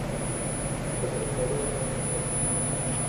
Es un polígono complejo.